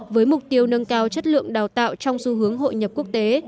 với mục tiêu nâng cao chất lượng đào tạo trong xu hướng hội nhập quốc tế